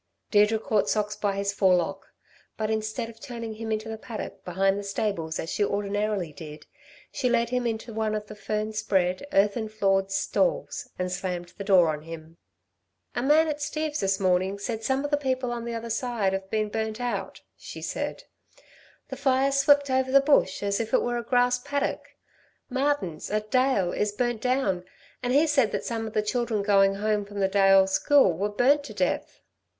Deirdre caught Socks by his forelock; but instead of turning him into the paddock behind the stables as she ordinarily did, she led him into one of the fern spread, earthern floored stalls and slammed the door on him. "A man at Steve's this morning said some of the people on the other side 've been burnt out," she said, "The fires swept over the bush as if it were a grass paddock. Martin's, at Dale, is burnt down, and he said that some of the children going home from the Dale school were burnt to death."